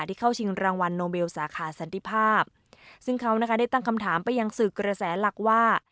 ที่เข้าชิงรางวัลโนเบลสาขาสันติภาพซึ่งเขานะคะได้ตั้งคำถามไปยังสื่อกระแสหลักว่า